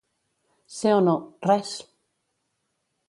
Ser o no, res!